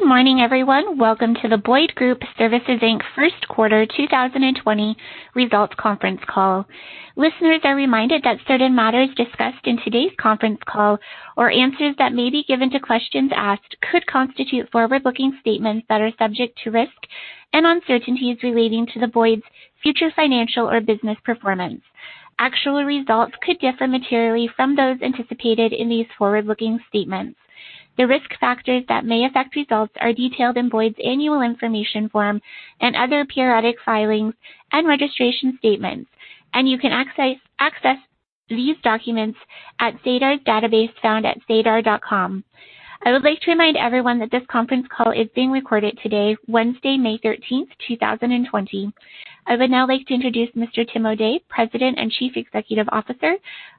Good morning, everyone. Welcome to the Boyd Group Services Inc. first quarter 2020 results conference call. Listeners are reminded that certain matters discussed in today's conference call or answers that may be given to questions asked could constitute forward-looking statements that are subject to risks and uncertainties relating to Boyd's future financial or business performance. Actual results could differ materially from those anticipated in these forward-looking statements. The risk factors that may affect results are detailed in Boyd's annual information form and other periodic filings and registration statements. You can access these documents at SEDAR. I would like to remind everyone that this conference call is being recorded today, Wednesday, May 13th, 2020. I would now like to introduce Mr. Tim O'Day, President and Chief Executive Officer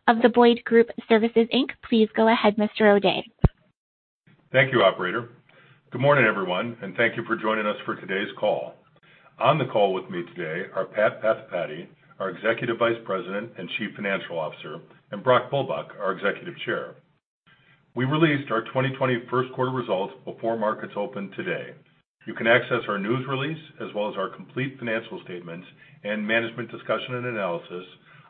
of the Boyd Group Services Inc. Please go ahead, Mr. O'Day. Thank you, operator. Good morning, everyone, and thank you for joining us for today's call. On the call with me today are Pat Buckley, our Executive Vice President and Chief Financial Officer, and Brock Bulbuck, our Executive Chair. We released our 2020 first quarter results before markets opened today. You can access our news release as well as our complete financial statements and management discussion and analysis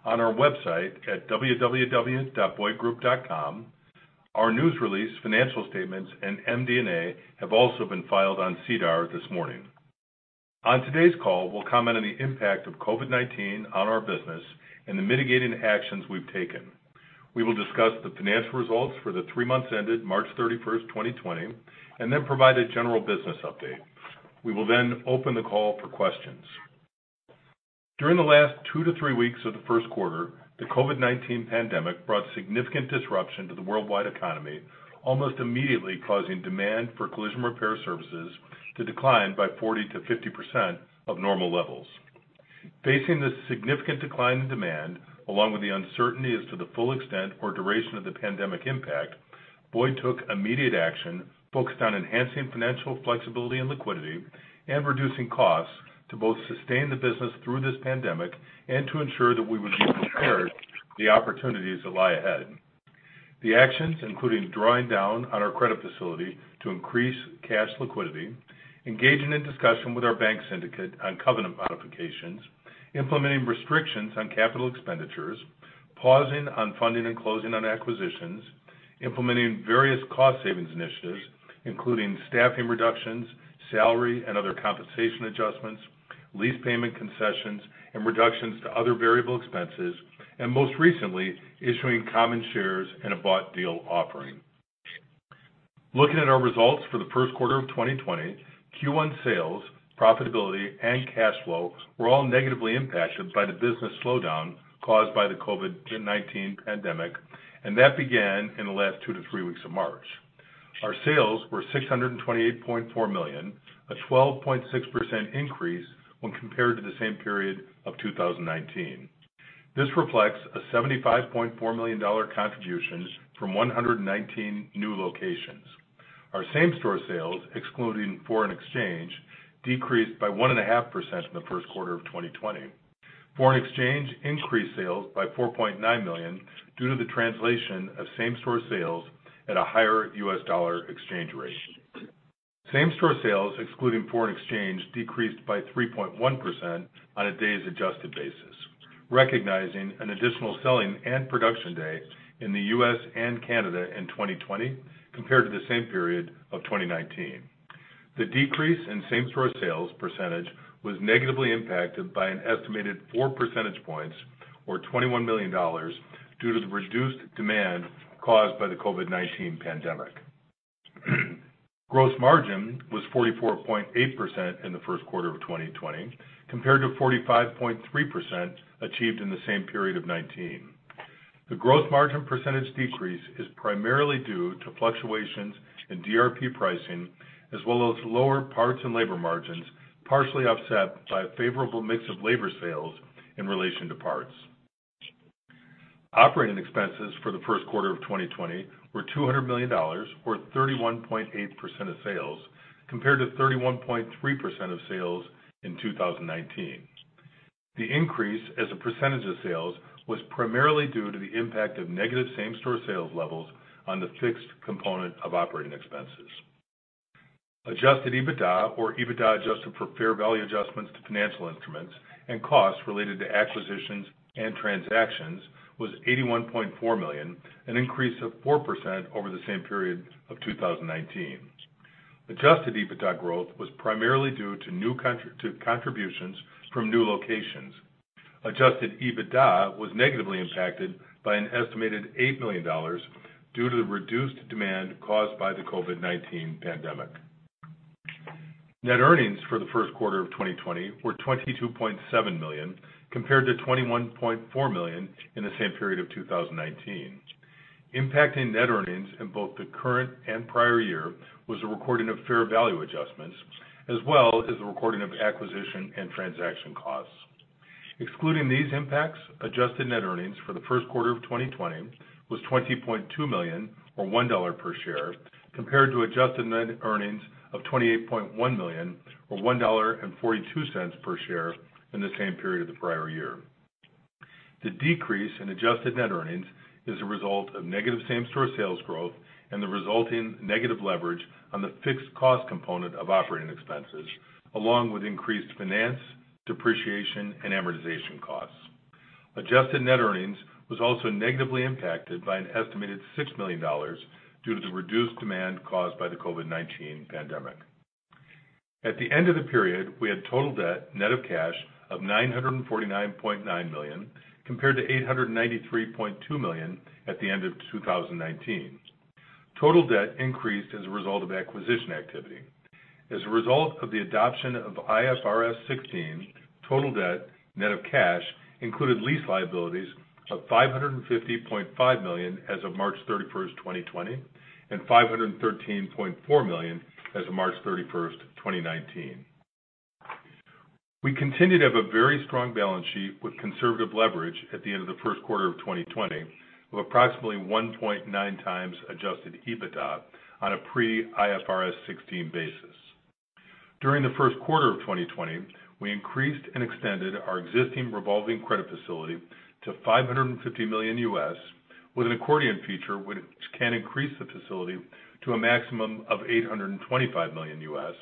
on our website at www.boydgroup.com. Our news release, financial statements, and MD&A have also been filed on SEDAR this morning. On today's call, we'll comment on the impact of COVID-19 on our business and the mitigating actions we've taken. We will discuss the financial results for the three months ended March 31st, 2020, then provide a general business update. We will open the call for questions. During the last two to three weeks of the first quarter, the COVID-19 pandemic brought significant disruption to the worldwide economy, almost immediately causing demand for collision repair services to decline by 40%-50% of normal levels. Facing this significant decline in demand, along with the uncertainty as to the full extent or duration of the pandemic impact, Boyd took immediate action focused on enhancing financial flexibility and liquidity and reducing costs to both sustain the business through this pandemic and to ensure that we would be prepared for the opportunities that lie ahead. The actions including drawing down on our credit facility to increase cash liquidity, engaging in discussion with our bank syndicate on covenant modifications, implementing restrictions on capital expenditures, pausing on funding and closing on acquisitions, implementing various cost savings initiatives, including staffing reductions, salary, and other compensation adjustments, lease payment concessions, and reductions to other variable expenses, most recently, issuing common shares in a bought deal offering. Looking at our results for the first quarter of 2020, Q1 sales, profitability, and cash flow were all negatively impacted by the business slowdown caused by the COVID-19 pandemic, that began in the last two to three weeks of March. Our sales were 628.4 million, a 12.6% increase when compared to the same period of 2019. This reflects a 75.4 million dollar contributions from 119 new locations. Our same-store sales, excluding foreign exchange, decreased by 1.5% in the first quarter of 2020. Foreign exchange increased sales by 4.9 million due to the translation of same-store sales at a higher U.S. dollar exchange rate. Same-store sales, excluding foreign exchange, decreased by 3.1% on a days adjusted basis, recognizing an additional selling and production day in the U.S. and Canada in 2020 compared to the same period of 2019. The decrease in same-store sales percentage was negatively impacted by an estimated four percentage points or 21 million dollars due to the reduced demand caused by the COVID-19 pandemic. Gross margin was 44.8% in the first quarter of 2020 compared to 45.3% achieved in the same period of 2019. The gross margin percentage decrease is primarily due to fluctuations in DRP pricing as well as lower parts and labor margins, partially offset by a favorable mix of labor sales in relation to parts. Operating expenses for the first quarter of 2020 were 200 million dollars or 31.8% of sales, compared to 31.3% of sales in 2019. The increase as a percentage of sales was primarily due to the impact of negative same-store sales levels on the fixed component of operating expenses. Adjusted EBITDA or EBITDA adjusted for fair value adjustments to financial instruments and costs related to acquisitions and transactions was 81.4 million, an increase of 4% over the same period of 2019. Adjusted EBITDA growth was primarily due to contributions from new locations. Adjusted EBITDA was negatively impacted by an estimated 8 million dollars due to the reduced demand caused by the COVID-19 pandemic. Net earnings for the first quarter of 2020 were 22.7 million, compared to 21.4 million in the same period of 2019. Impacting net earnings in both the current and prior year was a recording of fair value adjustments as well as the recording of acquisition and transaction costs. Excluding these impacts, adjusted net earnings for the first quarter of 2020 was 20.2 million or 1 dollar per share, compared to adjusted net earnings of 28.1 million or 1.42 dollar per share in the same period of the prior year. The decrease in adjusted net earnings is a result of negative same-store sales growth and the resulting negative leverage on the fixed cost component of operating expenses, along with increased finance, depreciation, and amortization costs. Adjusted net earnings was also negatively impacted by an estimated 6 million dollars due to the reduced demand caused by the COVID-19 pandemic. At the end of the period, we had total debt net of cash of 949.9 million, compared to 893.2 million at the end of 2019. Total debt increased as a result of acquisition activity. As a result of the adoption of IFRS 16, total debt net of cash included lease liabilities of 550.5 million as of March 31st, 2020, and 513.4 million as of March 31st, 2019. We continue to have a very strong balance sheet with conservative leverage at the end of the first quarter of 2020 of approximately 1.9 times adjusted EBITDA on a pre-IFRS 16 basis. During the first quarter of 2020, we increased and extended our existing revolving credit facility to $550 million U.S., with an accordion feature which can increase the facility to a maximum of $825 million U.S.,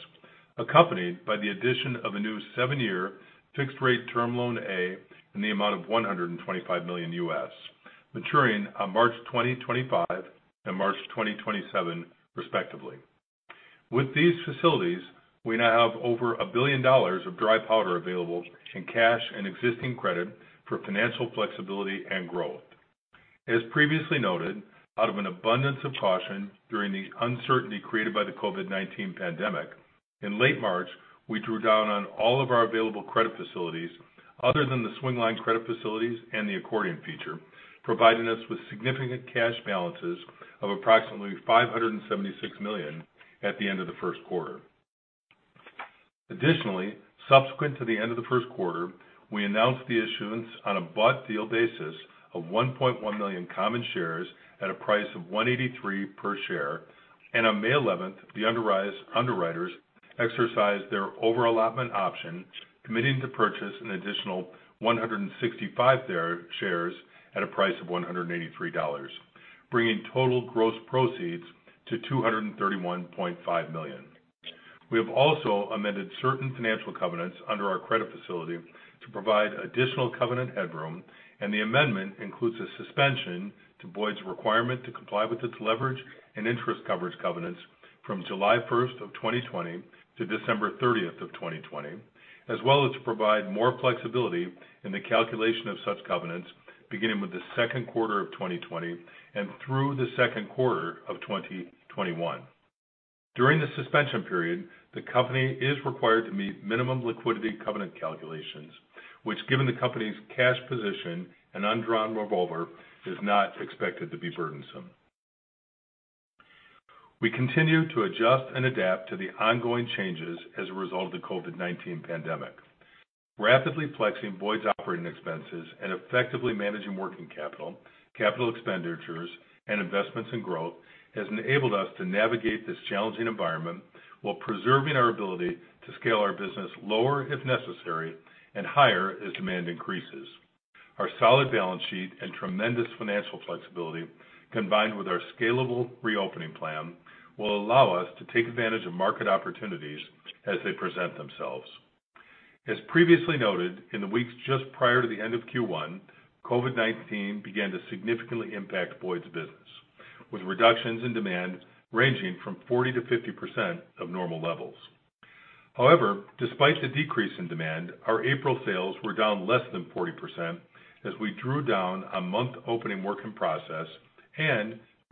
accompanied by the addition of a new seven-year fixed rate term loan A in the amount of $125 million U.S., maturing on March 2025 and March 2027, respectively. With these facilities, we now have over 1 billion dollars of dry powder available in cash and existing credit for financial flexibility and growth. As previously noted, out of an abundance of caution during the uncertainty created by the COVID-19 pandemic, in late March, we drew down on all of our available credit facilities other than the swingline credit facilities and the accordion feature, providing us with significant cash balances of approximately 576 million at the end of the first quarter. Additionally, subsequent to the end of the first quarter, we announced the issuance on a bought deal basis of 1.1 million common shares at a price of 183 per share, and on May 11th, the underwriters exercised their over-allotment option, committing to purchase an additional 165 shares at a price of 183 dollars, bringing total gross proceeds to 231.5 million. We have also amended certain financial covenants under our credit facility to provide additional covenant headroom. The amendment includes a suspension to Boyd's requirement to comply with its leverage and interest coverage covenants from July 1, 2020 to December 30, 2020, as well as to provide more flexibility in the calculation of such covenants beginning with the second quarter 2020 and through the second quarter 2021. During the suspension period, the company is required to meet minimum liquidity covenant calculations, which, given the company's cash position and undrawn revolver, is not expected to be burdensome. We continue to adjust and adapt to the ongoing changes as a result of the COVID-19 pandemic. Rapidly flexing Boyd's operating expenses and effectively managing working capital expenditures, and investments in growth has enabled us to navigate this challenging environment while preserving our ability to scale our business lower if necessary and higher as demand increases. Our solid balance sheet and tremendous financial flexibility, combined with our scalable reopening plan, will allow us to take advantage of market opportunities as they present themselves. As previously noted, in the weeks just prior to the end of Q1, COVID-19 began to significantly impact Boyd's business, with reductions in demand ranging from 40%-50% of normal levels. Despite the decrease in demand, our April sales were down less than 40% as we drew down a month opening work in process.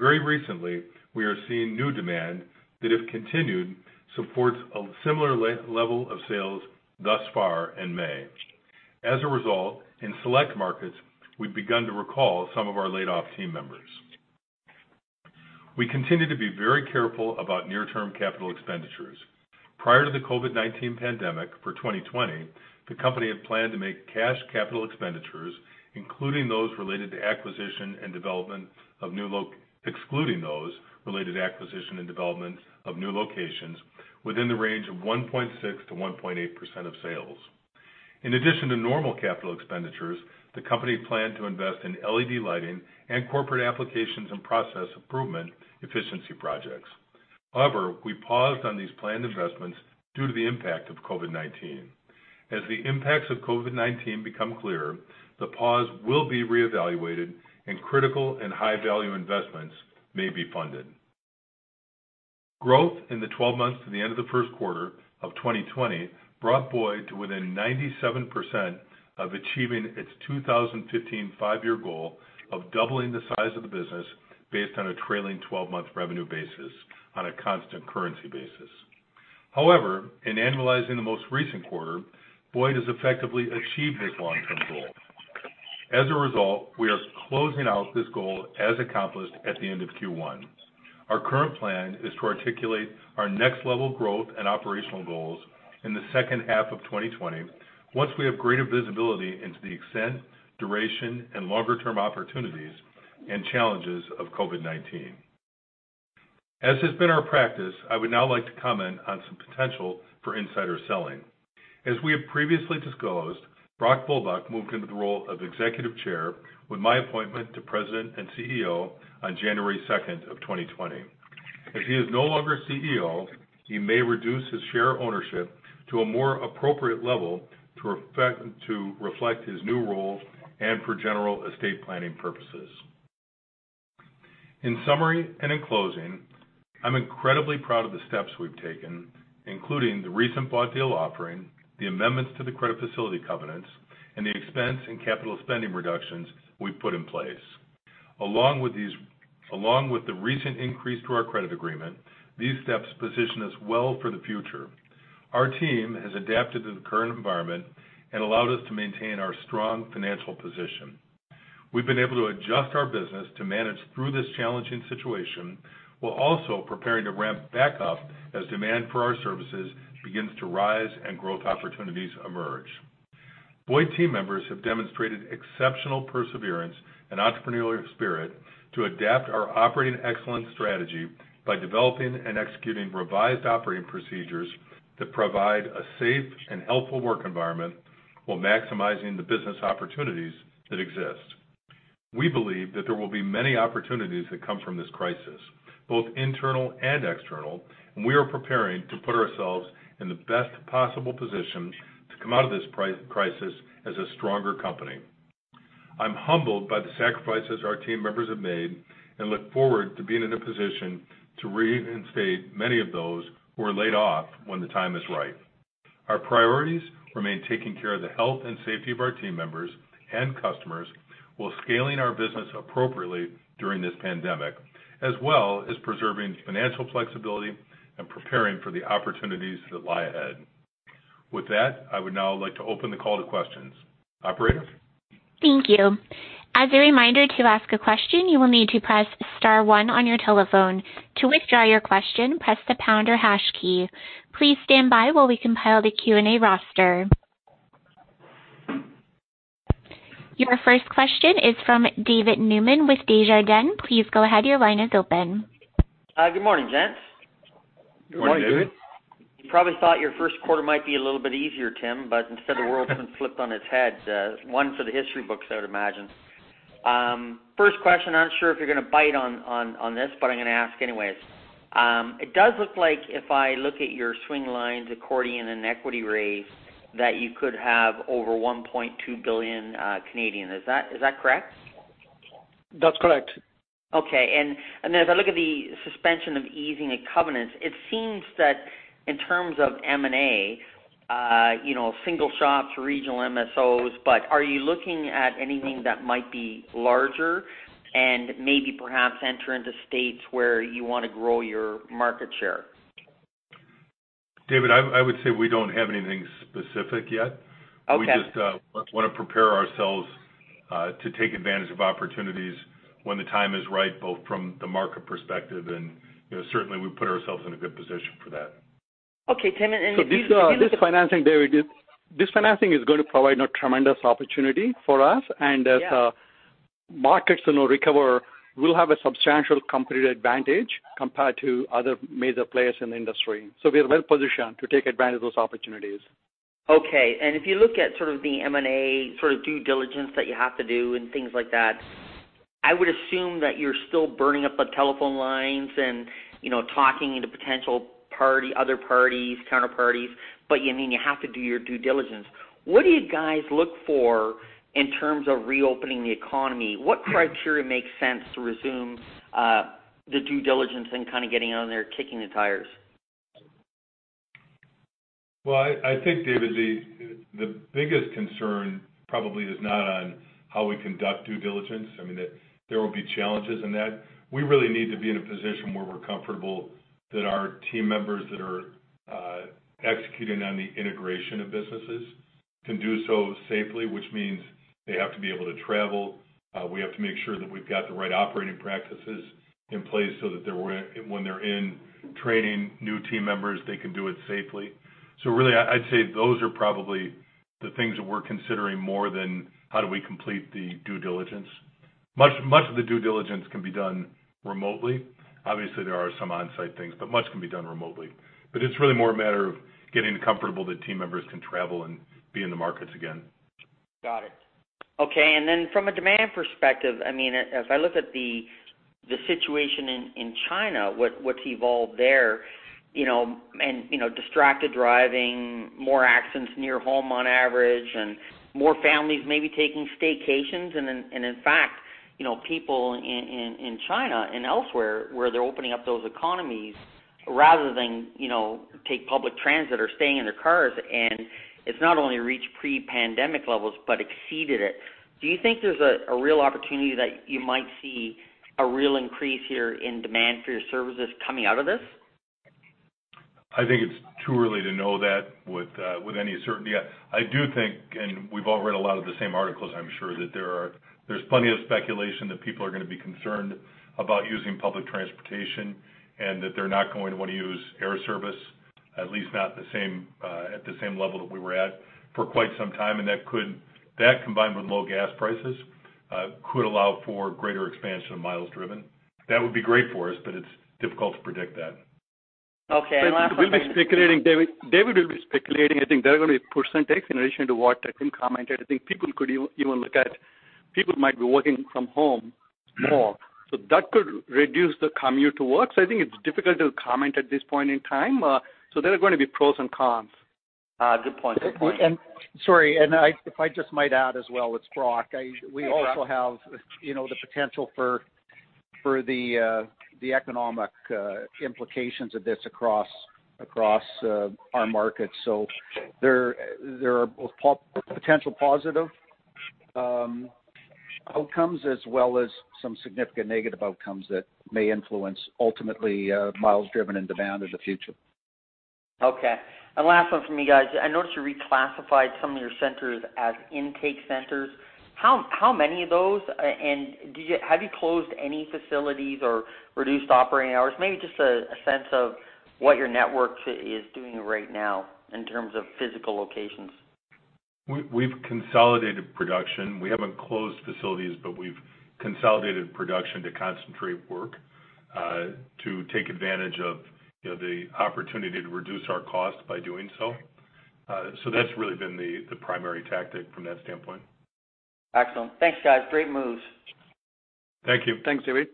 Very recently, we are seeing new demand that, if continued, supports a similar level of sales thus far in May. In select markets, we've begun to recall some of our laid-off team members. We continue to be very careful about near-term capital expenditures. Prior to the COVID-19 pandemic, for 2020, the company had planned to make cash capital expenditures, excluding those related to acquisition and development of new locations within the range of 1.6%-1.8% of sales. In addition to normal capital expenditures, the company planned to invest in LED lighting and corporate applications and process improvement efficiency projects. We paused on these planned investments due to the impact of COVID-19. As the impacts of COVID-19 become clearer, the pause will be reevaluated and critical and high-value investments may be funded. Growth in the 12 months to the end of the first quarter of 2020 brought Boyd to within 97% of achieving its 2015 five-year goal of doubling the size of the business based on a trailing 12-month revenue basis on a constant currency basis. However, in annualizing the most recent quarter, Boyd has effectively achieved this long-term goal. As a result, we are closing out this goal as accomplished at the end of Q1. Our current plan is to articulate our next level of growth and operational goals in the second half of 2020 once we have greater visibility into the extent, duration, and longer-term opportunities and challenges of COVID-19. As has been our practice, I would now like to comment on some potential for insider selling. As we have previously disclosed, Brock Bulbuck moved into the role of Executive Chair with my appointment to President and CEO on January 2nd of 2020. As he is no longer CEO, he may reduce his share ownership to a more appropriate level to reflect his new role and for general estate planning purposes. In summary and in closing, I'm incredibly proud of the steps we've taken, including the recent bought deal offering, the amendments to the credit facility covenants, and the expense and capital spending reductions we've put in place. Along with the recent increase to our credit agreement, these steps position us well for the future. Our team has adapted to the current environment and allowed us to maintain our strong financial position. We've been able to adjust our business to manage through this challenging situation, while also preparing to ramp back up as demand for our services begins to rise and growth opportunities emerge. Boyd team members have demonstrated exceptional perseverance and entrepreneurial spirit to adapt our operating excellence strategy by developing and executing revised operating procedures that provide a safe and helpful work environment while maximizing the business opportunities that exist. We believe that there will be many opportunities that come from this crisis, both internal and external, and we are preparing to put ourselves in the best possible position to come out of this crisis as a stronger company. I'm humbled by the sacrifices our team members have made and look forward to being in a position to reinstate many of those who are laid off when the time is right. Our priorities remain taking care of the health and safety of our team members and customers while scaling our business appropriately during this pandemic, as well as preserving financial flexibility and preparing for the opportunities that lie ahead. With that, I would now like to open the call to questions. Operator? Thank you. As a reminder, to ask a question, you will need to press *1 on your telephone. To withdraw your question, press the # key. Please stand by while we compile the Q&A roster. Your first question is from David Newman with Desjardins. Please go ahead, your line is open. Good morning, gents. Good morning, David. Good morning. You probably thought your first quarter might be a little bit easier, Tim. Instead, the world's been flipped on its head. One for the history books, I would imagine. Question, I'm not sure if you're going to bite on this, but I'm going to ask anyways. It does look like if I look at your swingline and equity raise that you could have over 1.2 billion. Is that correct? That's correct. Okay. Then as I look at the suspension of easing of covenants, it seems that in terms of M&A, single shops, regional MSOs, are you looking at anything that might be larger and maybe perhaps enter into states where you want to grow your market share? David, I would say we don't have anything specific yet. Okay. We just want to prepare ourselves to take advantage of opportunities when the time is right, both from the market perspective and certainly we put ourselves in a good position for that. Okay, Tim. This financing is going to provide a tremendous opportunity for us. Yeah. As markets recover, we'll have a substantial competitive advantage compared to other major players in the industry. We are well-positioned to take advantage of those opportunities. Okay. If you look at sort of the M&A due diligence that you have to do and things like that, I would assume that you're still burning up the telephone lines and talking to potential other parties, counterparties, but you have to do your due diligence. What do you guys look for in terms of reopening the economy? What criteria makes sense to resume the due diligence and kind of getting on there, kicking the tires? Well, I think, David, the biggest concern probably is not on how we conduct due diligence. I mean, there will be challenges in that. We really need to be in a position where we're comfortable that our team members that are executing on the integration of businesses can do so safely, which means they have to be able to travel. We have to make sure that we've got the right operating practices in place so that when they're in training new team members, they can do it safely. Really, I'd say those are probably the things that we're considering more than how do we complete the due diligence. Much of the due diligence can be done remotely. Obviously, there are some on-site things, but much can be done remotely. It's really more a matter of getting comfortable that team members can travel and be in the markets again. Got it. Okay, from a demand perspective, as I look at the situation in China, what's evolved there, distracted driving, more accidents near home on average, and more families maybe taking staycations. In fact, people in China and elsewhere, where they're opening up those economies rather than take public transit, are staying in their cars. It's not only reached pre-pandemic levels but exceeded it. Do you think there's a real opportunity that you might see a real increase here in demand for your services coming out of this? I think it's too early to know that with any certainty. I do think, and we've all read a lot of the same articles, I'm sure, that there's plenty of speculation that people are going to be concerned about using public transportation, and that they're not going to want to use air service. At least not at the same level that we were at for quite some time, and that combined with low gas prices could allow for greater expansion of miles driven. That would be great for us, but it's difficult to predict that. Okay. Last one from me. David will be speculating, I think there are going to be percentage in addition to what I think commented. I think people might be working from home more, so that could reduce the commute to work. I think it's difficult to comment at this point in time. There are going to be pros and cons. Good point. Sorry, if I just might add as well, it's Brock. We also have the potential for the economic implications of this across our markets. There are both potential positive outcomes as well as some significant negative outcomes that may influence ultimately miles driven and demand in the future. Okay. Last one from me guys. I noticed you reclassified some of your centers as intake centers. How many of those, and have you closed any facilities or reduced operating hours? Maybe just a sense of what your network is doing right now in terms of physical locations. We've consolidated production. We haven't closed facilities, we've consolidated production to concentrate work, to take advantage of the opportunity to reduce our cost by doing so. That's really been the primary tactic from that standpoint. Excellent. Thanks, guys. Great moves. Thank you. Thanks, David.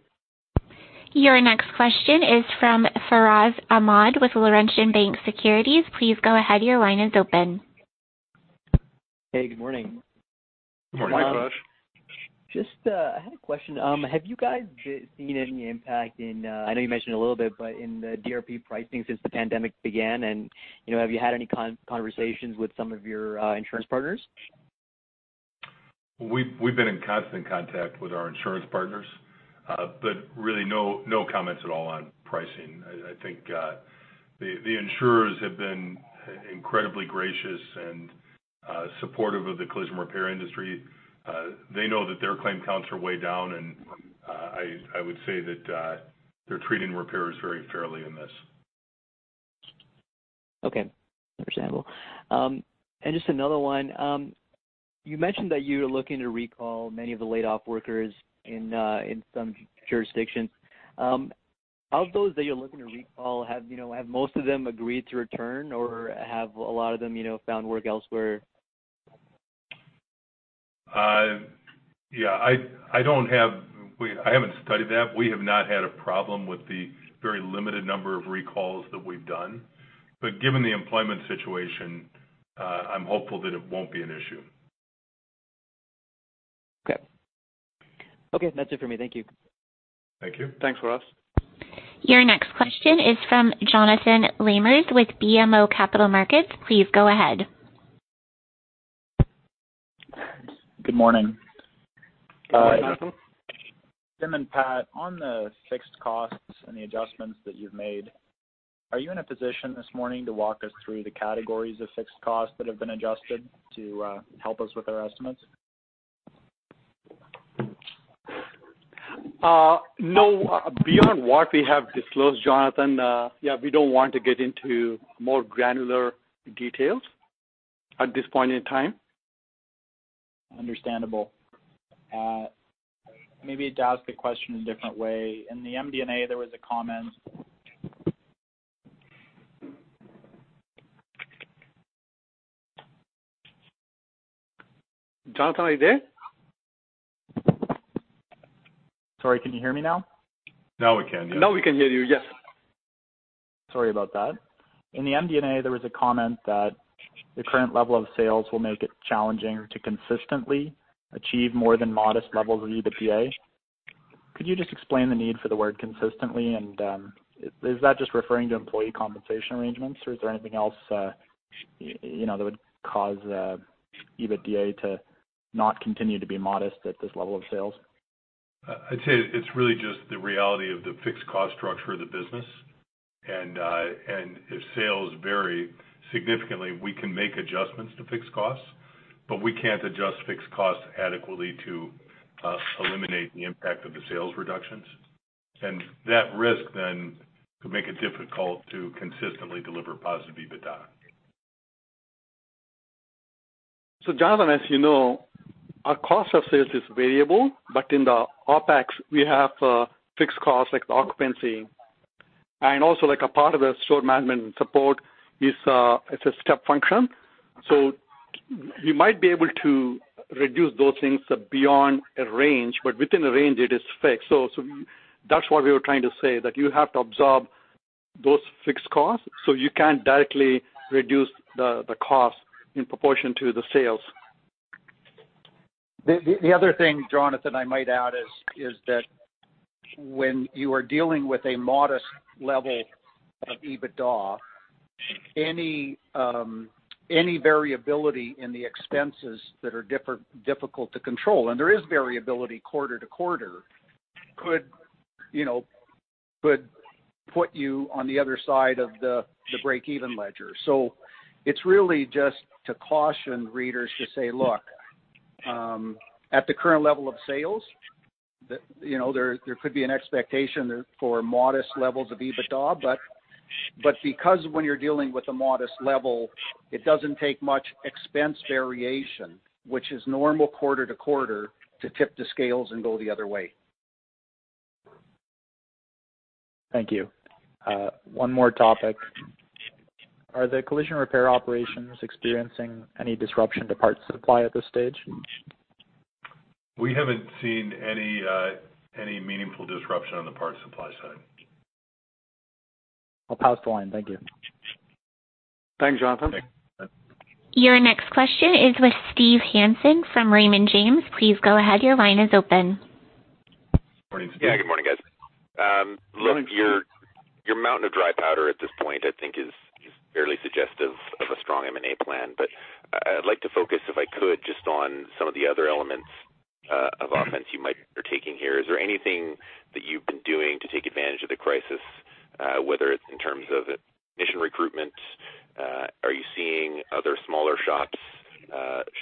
Your next question is from Faraz Ahmad with Laurentian Bank Securities. Please go ahead, your line is open. Hey, good morning. Morning, Faraz. Just, I had a question. Have you guys seen any impact in, I know you mentioned a little bit, but in the DRP pricing since the pandemic began, and have you had any conversations with some of your insurance partners? We've been in constant contact with our insurance partners. Really no comments at all on pricing. I think the insurers have been incredibly gracious and supportive of the collision repair industry. They know that their claim counts are way down, and I would say that they're treating repairers very fairly in this. Okay. Understandable. Just another one. You mentioned that you're looking to recall many of the laid-off workers in some jurisdictions. Of those that you're looking to recall, have most of them agreed to return, or have a lot of them found work elsewhere? Yeah. I haven't studied that. We have not had a problem with the very limited number of recalls that we've done. Given the employment situation, I'm hopeful that it won't be an issue. Okay. That's it for me. Thank you. Thank you. Thanks, Faraz. Your next question is from Jonathan Lamers with BMO Capital Markets. Please go ahead. Good morning. Morning, Jonathan. Tim and Pat, on the fixed costs and the adjustments that you've made, are you in a position this morning to walk us through the categories of fixed costs that have been adjusted to help us with our estimates? No. Beyond what we have disclosed, Jonathan, yeah, we don't want to get into more granular details at this point in time. Understandable. Maybe to ask the question a different way. In the MD&A, there was a comment. Jonathan, are you there? Sorry, can you hear me now? Now we can, yes. Now we can hear you. Yes. Sorry about that. In the MD&A, there was a comment that the current level of sales will make it challenging to consistently achieve more than modest levels of EBITDA. Could you just explain the need for the word "consistently," and is that just referring to employee compensation arrangements, or is there anything else that would cause EBITDA to not continue to be modest at this level of sales? I'd say it's really just the reality of the fixed cost structure of the business. If sales vary significantly, we can make adjustments to fixed costs, but we can't adjust fixed costs adequately to eliminate the impact of the sales reductions. That risk then could make it difficult to consistently deliver positive EBITDA. Jonathan, as you know, our cost of sales is variable, but in the OpEx, we have fixed costs like the occupancy. Also like a part of the store management and support, it's a step function. You might be able to reduce those things beyond a range, but within a range, it is fixed. That's what we were trying to say, that you have to absorb those fixed costs, so you can't directly reduce the cost in proportion to the sales. The other thing, Jonathan, I might add is that when you are dealing with a modest level of EBITDA, any variability in the expenses that are difficult to control, and there is variability quarter to quarter, could put you on the other side of the break-even ledger. It's really just to caution readers to say, "Look." At the current level of sales, there could be an expectation there for modest levels of EBITDA, but because when you're dealing with a modest level, it doesn't take much expense variation, which is normal quarter to quarter, to tip the scales and go the other way. Thank you. One more topic. Are the collision repair operations experiencing any disruption to parts supply at this stage? We haven't seen any meaningful disruption on the parts supply side. I'll pass the line. Thank you. Thanks, Jonathan. Thanks. Your next question is with Steve Hansen from Raymond James. Please go ahead. Your line is open. Morning, Steve. Yeah. Good morning, guys. Good morning, Steve. Your mountain of dry powder at this point, I think is fairly suggestive of a strong M&A plan. I'd like to focus, if I could, just on some of the other elements of offense you might be taking here. Is there anything that you've been doing to take advantage of the crisis, whether it's in terms of mission recruitment? Are you seeing other smaller shops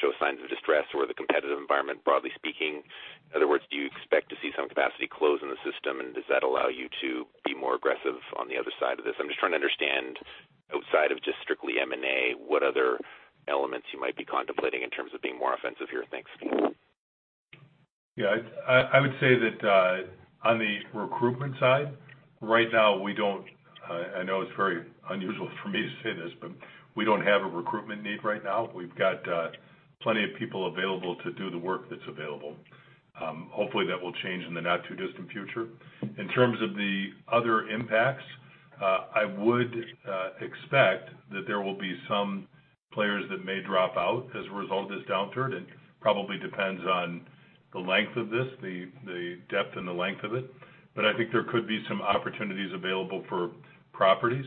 show signs of distress or the competitive environment, broadly speaking? In other words, do you expect to see some capacity close in the system, and does that allow you to be more aggressive on the other side of this? I'm just trying to understand, outside of just strictly M&A, what other elements you might be contemplating in terms of being more offensive here. Thanks. I would say that on the recruitment side, right now we don't, I know it's very unusual for me to say this, but we don't have a recruitment need right now. We've got plenty of people available to do the work that's available. Hopefully, that will change in the not too distant future. In terms of the other impacts, I would expect that there will be some players that may drop out as a result of this downturn. It probably depends on the length of this, the depth and the length of it. I think there could be some opportunities available for properties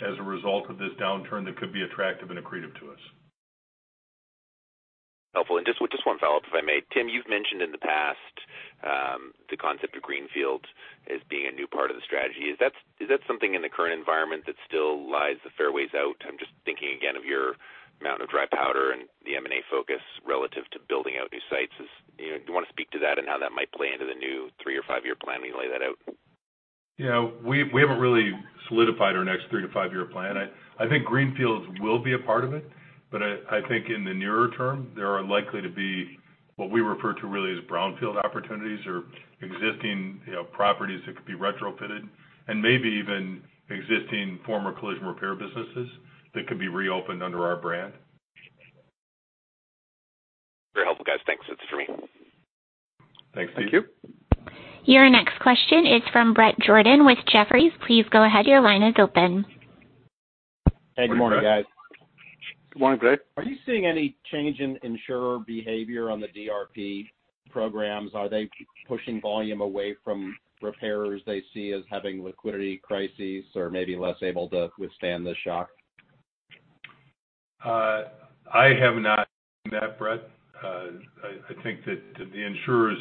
as a result of this downturn that could be attractive and accretive to us. Helpful. Just one follow-up, if I may. Tim, you've mentioned in the past the concept of greenfield as being a new part of the strategy. Is that something in the current environment that still lies the fair ways out? I'm just thinking again of your mountain of dry powder and the M&A focus relative to building out new sites is, do you want to speak to that and how that might play into the new three or five-year plan when you lay that out? Yeah. We haven't really solidified our next three to five-year plan. I think greenfields will be a part of it, but I think in the nearer term, there are likely to be what we refer to really as brownfield opportunities or existing properties that could be retrofitted and maybe even existing former collision repair businesses that could be reopened under our brand. Very helpful, guys. Thanks. That's for me. Thanks, Steve. Thank you. Your next question is from Bret Jordan with Jefferies. Please go ahead. Your line is open. Morning, Bret. Hey, good morning, guys. Good morning, Bret. Are you seeing any change in insurer behavior on the DRP programs? Are they pushing volume away from repairers they see as having liquidity crises or maybe less able to withstand the shock? I have not seen that, Bret. I think that the insurers,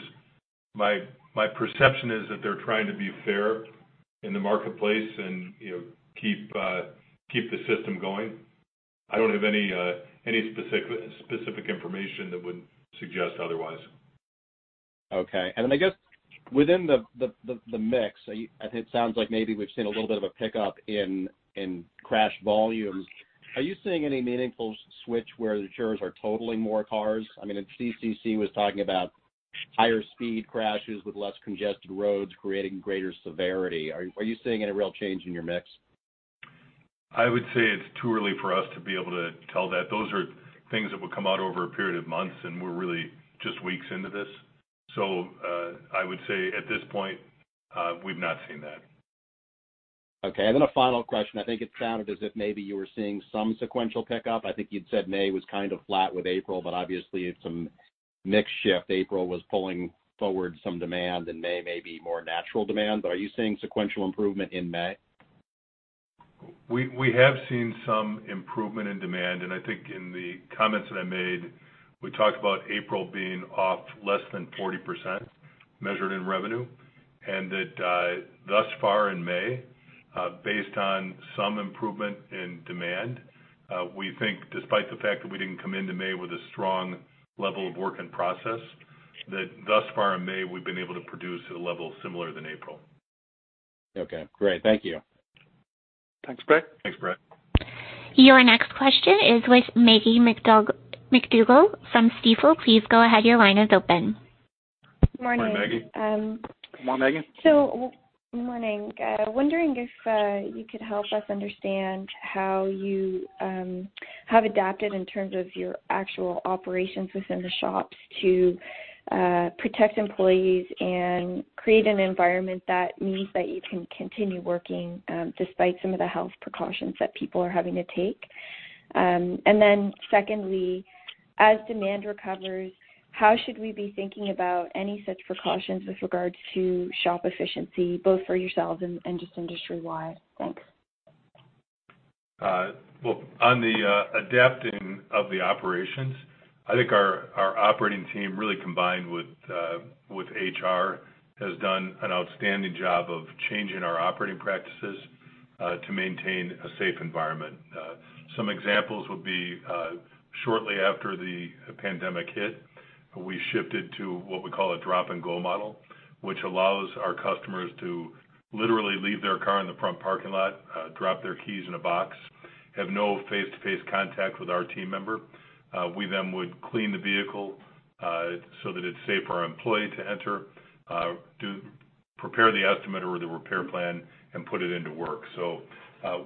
my perception is that they're trying to be fair in the marketplace and keep the system going. I don't have any specific information that would suggest otherwise. Okay. I guess within the mix, it sounds like maybe we've seen a little bit of a pickup in crash volumes. Are you seeing any meaningful switch where the insurers are totaling more cars? I mean, CCC was talking about higher speed crashes with less congested roads creating greater severity. Are you seeing any real change in your mix? I would say it's too early for us to be able to tell that. Those are things that will come out over a period of months, and we're really just weeks into this. I would say at this point, we've not seen that. Okay. A final question. I think it sounded as if maybe you were seeing some sequential pickup. I think you'd said May was kind of flat with April, obviously some mix shift April was pulling forward some demand and May may be more natural demand. Are you seeing sequential improvement in May? We have seen some improvement in demand, I think in the comments that I made, we talked about April being off less than 40%, measured in revenue. That thus far in May, based on some improvement in demand, we think despite the fact that we didn't come into May with a strong level of work in process, that thus far in May, we've been able to produce at a level similar than April. Okay, great. Thank you. Thanks, Bret. Thanks, Bret. Your next question is with Maggie MacDougall from Stifel. Please go ahead. Your line is open. Good morning. Morning, Maggie. Morning, Maggie. Morning. Wondering if you could help us understand how you have adapted in terms of your actual operations within the shops to protect employees and create an environment that means that you can continue working despite some of the health precautions that people are having to take. Then secondly, as demand recovers, how should we be thinking about any such precautions with regards to shop efficiency, both for yourselves and just industry-wide? Thanks. Well, on the adapting of the operations, I think our operating team really combined with HR has done an outstanding job of changing our operating practices to maintain a safe environment. Some examples would be, shortly after the pandemic hit, we shifted to what we call a drop-and-go model, which allows our customers to literally leave their car in the front parking lot, drop their keys in a box, have no face-to-face contact with our team member. We then would clean the vehicle so that it's safe for our employee to enter, to prepare the estimate or the repair plan, and put it into work.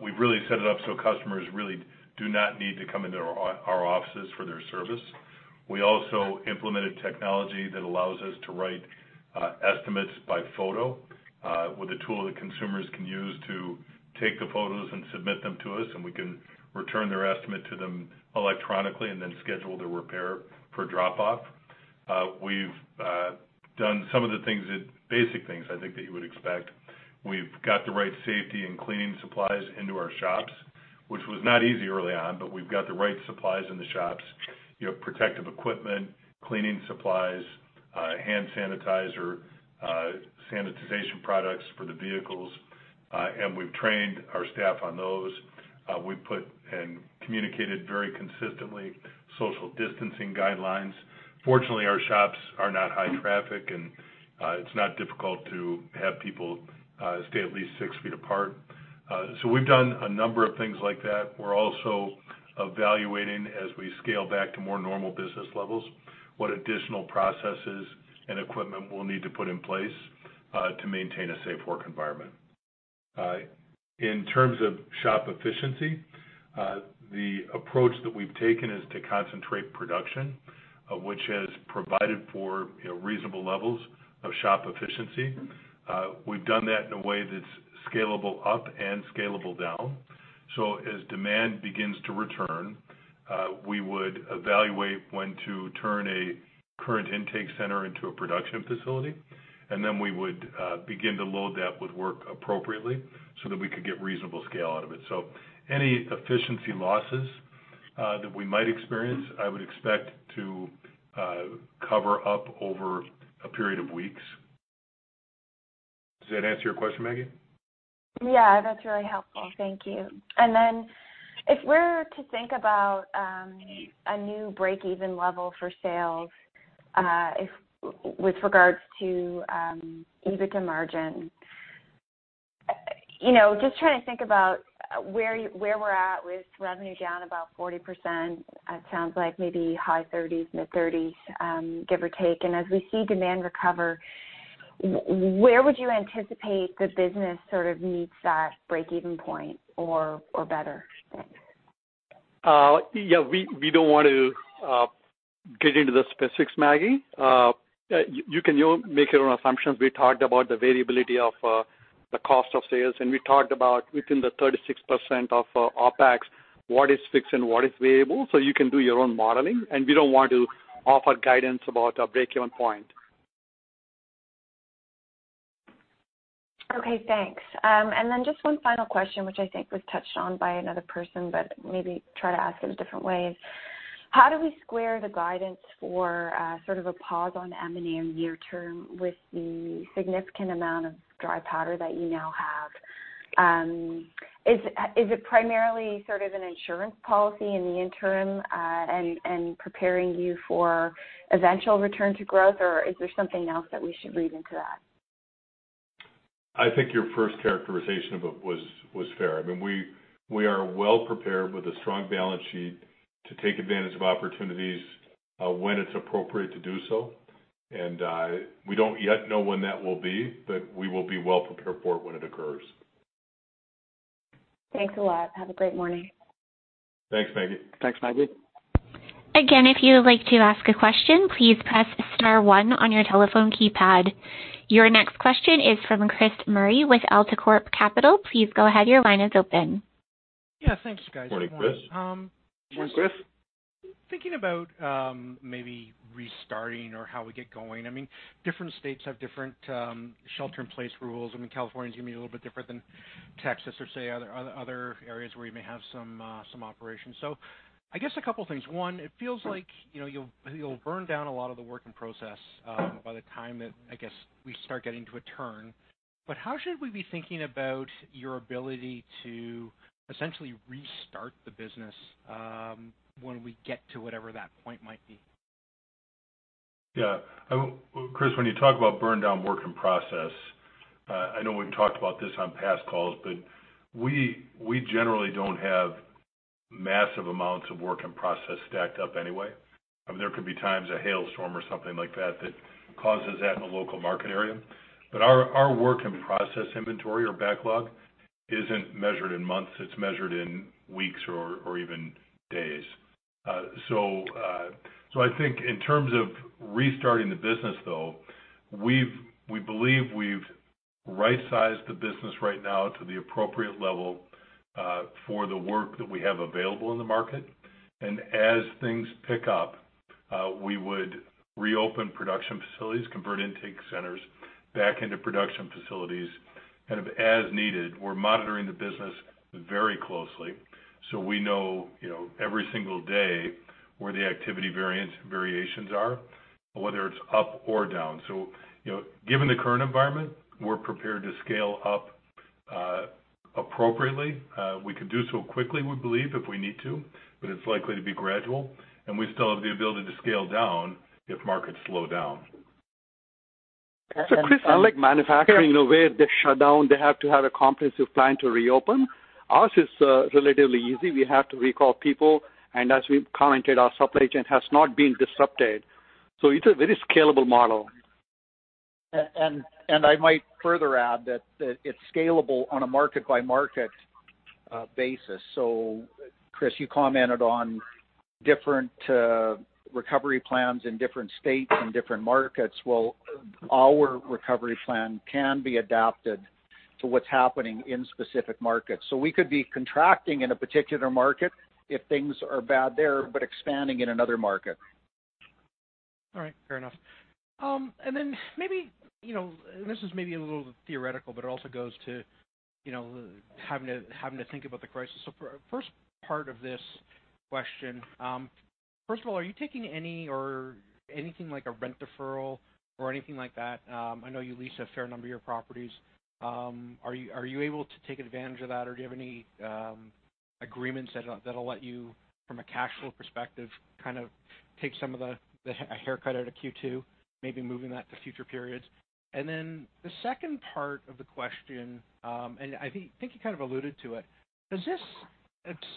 We've really set it up so customers really do not need to come into our offices for their service. We also implemented technology that allows us to write estimates by photo with a tool that consumers can use to take the photos and submit them to us, and we can return their estimate to them electronically and then schedule the repair for drop-off. We've done some of the basic things I think that you would expect. We've got the right safety and cleaning supplies into our shops, which was not easy early on, but we've got the right supplies in the shops. You have protective equipment, cleaning supplies, hand sanitizer, sanitization products for the vehicles. We've trained our staff on those. We put and communicated very consistently social distancing guidelines. Fortunately, our shops are not high traffic, and it's not difficult to have people stay at least six feet apart. We've done a number of things like that. We're also evaluating, as we scale back to more normal business levels, what additional processes and equipment we'll need to put in place to maintain a safe work environment. In terms of shop efficiency, the approach that we've taken is to concentrate production, which has provided for reasonable levels of shop efficiency. We've done that in a way that's scalable up and scalable down. As demand begins to return, we would evaluate when to turn a current intake center into a production facility, and then we would begin to load that with work appropriately so that we could get reasonable scale out of it. Any efficiency losses that we might experience, I would expect to cover up over a period of weeks. Does that answer your question, Maggie? Yeah, that's really helpful. Thank you. If we're to think about a new breakeven level for sales with regards to EBITDA margin, just trying to think about where we're at with revenue down about 40%. It sounds like maybe high 30s, mid-30s, give or take. As we see demand recover, where would you anticipate the business sort of meets that breakeven point or better? Thanks. Yeah, we don't want to get into the specifics, Maggie. You can make your own assumptions. We talked about the variability of the cost of sales, and we talked about within the 36% of OpEx, what is fixed and what is variable. You can do your own modeling, and we don't want to offer guidance about a breakeven point. Okay, thanks. Just one final question, which I think was touched on by another person, but maybe try to ask it a different way is how do we square the guidance for sort of a pause on M&A near term with the significant amount of dry powder that you now have? Is it primarily sort of an insurance policy in the interim and preparing you for eventual return to growth, or is there something else that we should read into that? I think your first characterization of it was fair. I mean, we are well prepared with a strong balance sheet to take advantage of opportunities when it's appropriate to do so. We don't yet know when that will be, but we will be well prepared for it when it occurs. Thanks a lot. Have a great morning. Thanks, Maggie. Thanks, Maggie. Again, if you would like to ask a question, please press star one on your telephone keypad. Your next question is from Chris Murray with AltaCorp Capital. Please go ahead, your line is open. Yeah. Thanks, guys. Morning, Chris. Morning, Chris. Just thinking about maybe restarting or how we get going. Different states have different shelter-in-place rules. I mean, California is going to be a little bit different than Texas or, say, other areas where you may have some operations. I guess a couple things. One, it feels like you'll burn down a lot of the work in process by the time that, I guess, we start getting to a turn. How should we be thinking about your ability to essentially restart the business when we get to whatever that point might be? Yeah. Chris, when you talk about burn down work in process, I know we've talked about this on past calls, but we generally don't have massive amounts of work in process stacked up anyway. There could be times a hailstorm or something like that that causes that in a local market area. Our work in process inventory or backlog isn't measured in months. It's measured in weeks or even days. I think in terms of restarting the business, though, we believe we've right-sized the business right now to the appropriate level for the work that we have available in the market. As things pick up, we would reopen production facilities, convert intake centers back into production facilities kind of as needed. We're monitoring the business very closely. We know every single day where the activity variations are, whether it's up or down. Given the current environment, we're prepared to scale up appropriately. We could do so quickly, we believe, if we need to, but it's likely to be gradual. We still have the ability to scale down if markets slow down. Chris, unlike manufacturing where they shut down, they have to have a comprehensive plan to reopen, ours is relatively easy. We have to recall people, and as we've commented, our supply chain has not been disrupted. It's a very scalable model. I might further add that it's scalable on a market-by-market basis. Chris, you commented on different recovery plans in different states and different markets. Our recovery plan can be adapted to what's happening in specific markets. We could be contracting in a particular market if things are bad there, but expanding in another market. All right. Fair enough. This is maybe a little theoretical, but it also goes to having to think about the crisis. First part of this question, first of all, are you taking any or anything like a rent deferral or anything like that? I know you lease a fair number of your properties. Are you able to take advantage of that or do you have any agreements that'll let you, from a cash flow perspective, kind of take some of the haircut out of Q2, maybe moving that to future periods? The second part of the question, and I think you kind of alluded to it, does this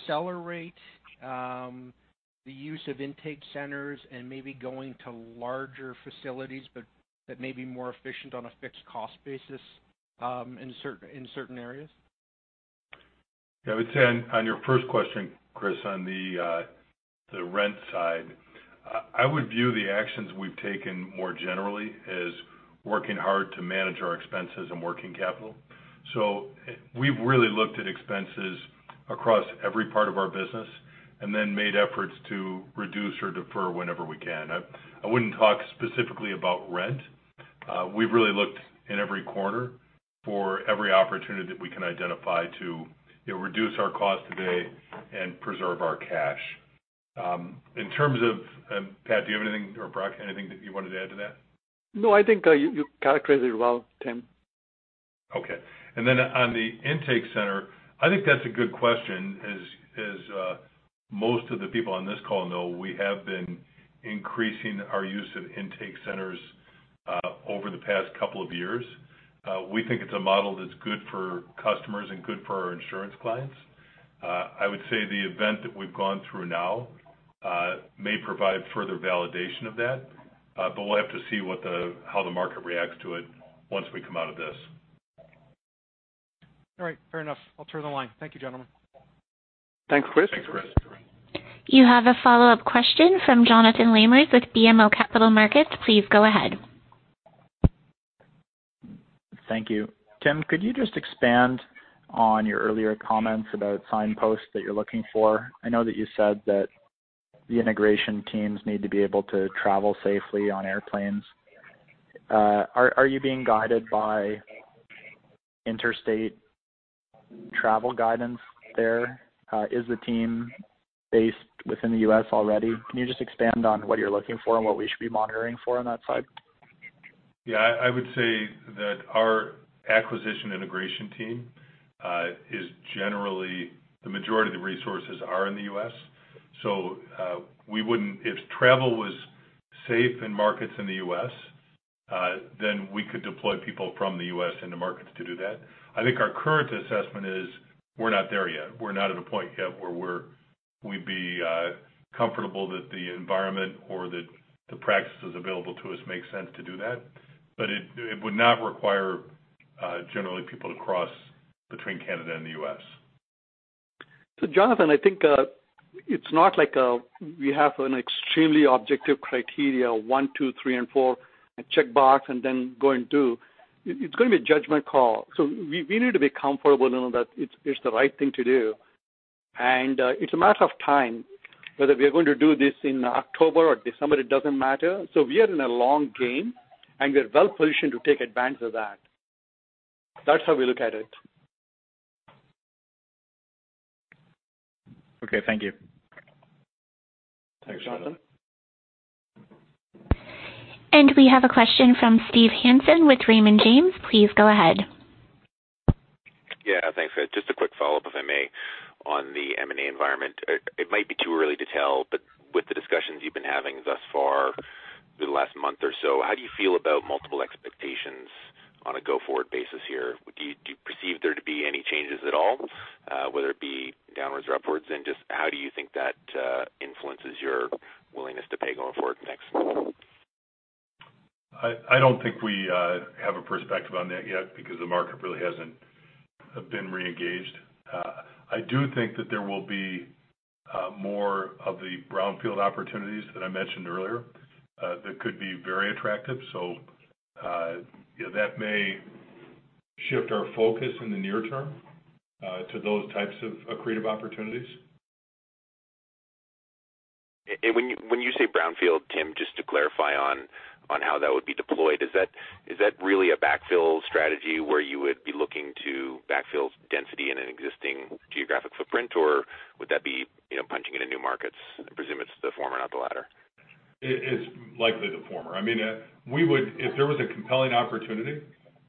accelerate the use of intake centers and maybe going to larger facilities that may be more efficient on a fixed cost basis in certain areas? I would say on your first question, Chris, on the rent side, I would view the actions we've taken more generally as working hard to manage our expenses and working capital. We've really looked at expenses across every part of our business and then made efforts to reduce or defer whenever we can. I wouldn't talk specifically about rent. We've really looked in every corner for every opportunity that we can identify to reduce our cost today and preserve our cash. Pat, do you have anything, or Brock, anything that you wanted to add to that? I think you characterized it well, Tim. Okay. On the intake center, I think that's a good question. As most of the people on this call know, we have been increasing our use of intake centers over the past couple of years. We think it's a model that's good for customers and good for our insurance clients. I would say the event that we've gone through now may provide further validation of that, but we'll have to see how the market reacts to it once we come out of this. All right. Fair enough. I'll turn to the line. Thank you, gentlemen. Thanks, Chris. Thanks, Chris. You have a follow-up question from Jonathan Lamers with BMO Capital Markets. Please go ahead. Thank you. Tim, could you just expand on your earlier comments about signposts that you're looking for? I know that you said that the integration teams need to be able to travel safely on airplanes. Are you being guided by interstate travel guidance there? Is the team based within the U.S. already? Can you just expand on what you're looking for and what we should be monitoring for on that side? Yeah, I would say that our acquisition integration team is generally, the majority of the resources are in the U.S. If travel was safe in markets in the U.S., then we could deploy people from the U.S. into markets to do that. I think our current assessment is we're not there yet. We're not at a point yet where we'd be comfortable that the environment or that the practices available to us make sense to do that. It would not require generally people to cross between Canada and the U.S. Jonathan, I think it's not like we have an extremely objective criteria, one, two, three, and four, a checkbox, and then go and do. It's going to be a judgment call. We need to be comfortable knowing that it's the right thing to do. It's a matter of time whether we are going to do this in October or December, it doesn't matter. We are in a long game, and we are well-positioned to take advantage of that. That's how we look at it. Okay. Thank you. Thanks, Jonathan. We have a question from Steve Hansen with Raymond James. Please go ahead. Thanks. Just a quick follow-up, if I may, on the M&A environment. It might be too early to tell, but with the discussions you've been having thus far through the last month or so, how do you feel about multiple expectations on a go-forward basis here? Do you perceive there to be any changes at all, whether it be downwards or upwards? Just how do you think that influences your willingness to pay going forward next? I don't think we have a perspective on that yet because the market really hasn't been reengaged. I do think that there will be more of the brownfield opportunities that I mentioned earlier that could be very attractive. That may shift our focus in the near term to those types of accretive opportunities. When you say brownfield, Tim, just to clarify on how that would be deployed, is that really a backfill strategy where you would be looking to backfill density in an existing geographic footprint, or would that be punching into new markets? I presume it's the former, not the latter. It is likely the former. If there was a compelling opportunity,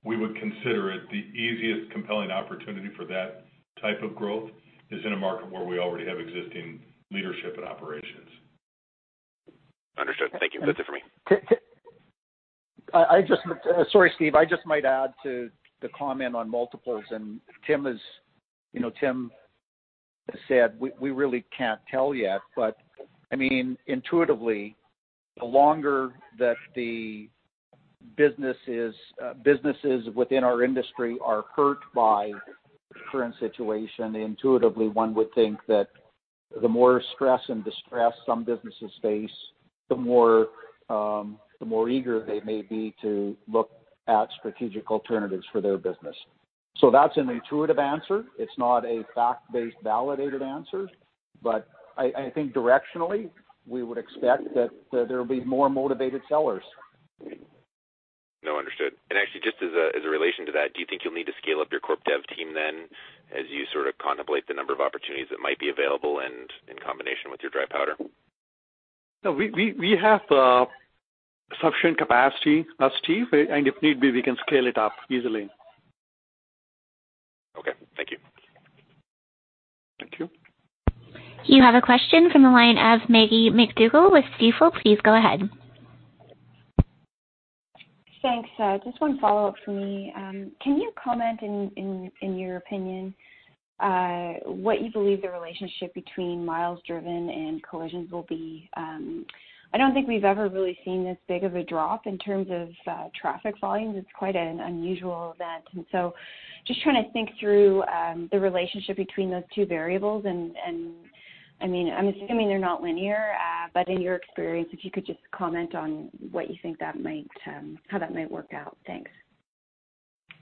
we would consider it. The easiest compelling opportunity for that type of growth is in a market where we already have existing leadership and operations. Understood. Thank you. That's it for me. Sorry, Steve. I just might add to the comment on multiples, Tim O'Day has said we really can't tell yet, intuitively, the longer that the businesses within our industry are hurt by the current situation, intuitively one would think that the more stress and distress some businesses face, the more eager they may be to look at strategic alternatives for their business. That's an intuitive answer. It's not a fact-based, validated answer, I think directionally, we would expect that there'll be more motivated sellers. No, understood. Actually, just as a relation to that, do you think you'll need to scale up your corporate development team then as you contemplate the number of opportunities that might be available and in combination with your dry powder? No, we have sufficient capacity, Steve, if need be, we can scale it up easily. Okay, thank you. Thank you. You have a question from the line of Maggie MacDougall with Stifel. Please go ahead. Thanks. Just one follow-up from me. Can you comment in your opinion, what you believe the relationship between miles driven and collisions will be? I don't think we've ever really seen this big of a drop in terms of traffic volumes. It's quite an unusual event. Just trying to think through the relationship between those two variables, and I'm assuming they're not linear, but in your experience, if you could just comment on how that might work out. Thanks.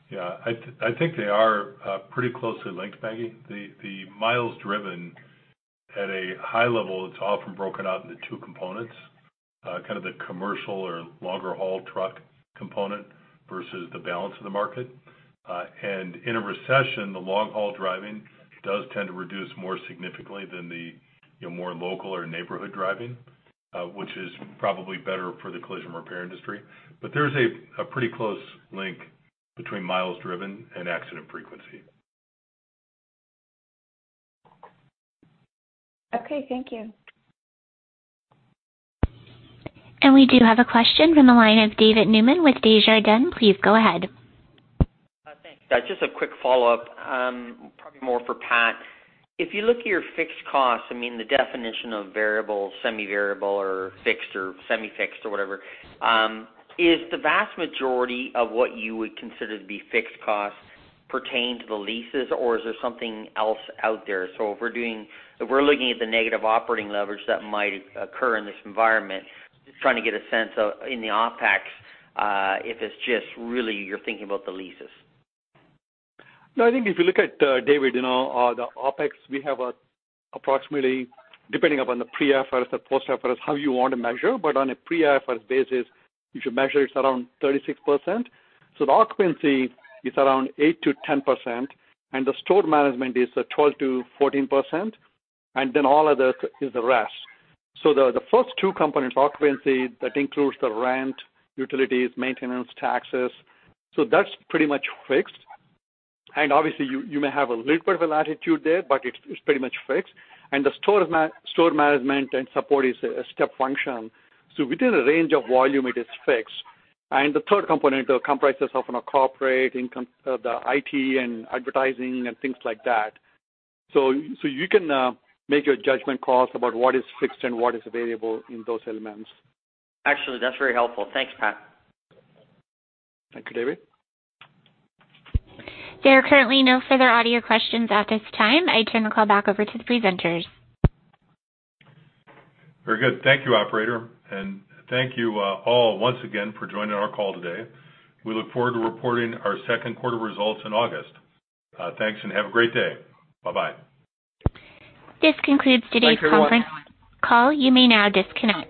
Yeah. I think they are pretty closely linked, Maggie. The miles driven at a high level, it's often broken out into two components, kind of the commercial or longer haul truck component versus the balance of the market. In a recession, the long-haul driving does tend to reduce more significantly than the more local or neighborhood driving, which is probably better for the collision repair industry. There's a pretty close link between miles driven and accident frequency. Okay, thank you. We do have a question from the line of David Newman with Desjardins. Please go ahead. Thanks. Just a quick follow-up, probably more for Pat. If you look at your fixed costs, the definition of variable, semi-variable or fixed or semi-fixed or whatever, is the vast majority of what you would consider to be fixed costs pertain to the leases or is there something else out there? If we're looking at the negative operating leverage that might occur in this environment, just trying to get a sense of, in the OpEx, if it's just really you're thinking about the leases. I think if you look at, David, the OpEx, we have approximately, depending upon the pre-IFRS or post-IFRS, how you want to measure, but on a pre-IFRS basis, if you measure, it's around 36%. The occupancy is around 8%-10%, and the store management is 12%-14%, and then all other is the rest. The first two components, occupancy, that includes the rent, utilities, maintenance, taxes. That's pretty much fixed. Obviously you may have a little bit of a latitude there, but it's pretty much fixed. The store management and support is a step function. Within a range of volume, it is fixed. The third component comprises of corporate income, the IT and advertising and things like that. You can make your judgment calls about what is fixed and what is variable in those elements. Actually, that's very helpful. Thanks, Pat. Thank you, David. There are currently no further audio questions at this time. I turn the call back over to the presenters. Very good. Thank you, operator, and thank you all once again for joining our call today. We look forward to reporting our second quarter results in August. Thanks and have a great day. Bye-bye. This concludes today's conference call. You may now disconnect.